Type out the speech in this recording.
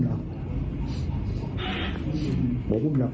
บางปานัมมัน